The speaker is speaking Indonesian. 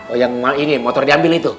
oh yang ini motor diambil itu